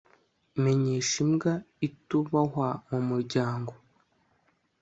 menyesha imbwa itubahwa mumuryango